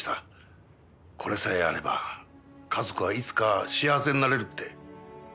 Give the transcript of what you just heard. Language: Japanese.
これさえあれば家族はいつか幸せになれるって。